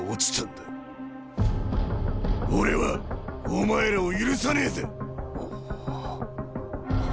俺はお前らを許さねえぜ。